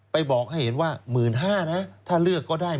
บอกให้เห็นว่า๑๕๐๐นะถ้าเลือกก็ได้